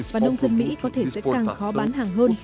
và nông dân mỹ có thể sẽ càng khó bán hàng hơn